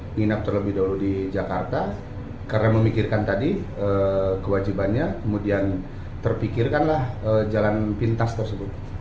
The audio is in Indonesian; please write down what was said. ingin aktor lebih dulu di jakarta karena memikirkan tadi kewajibannya kemudian terpikirkanlah jalan pintas tersebut